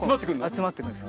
集まってくるんです。